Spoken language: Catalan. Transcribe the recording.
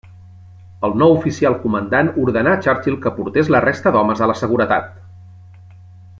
El nou oficial comandant ordenà a Churchill que portés la resta d'homes a la seguretat.